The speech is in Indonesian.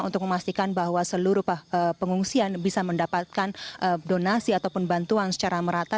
untuk memastikan bahwa seluruh pengungsian bisa mendapatkan donasi ataupun bantuan secara merata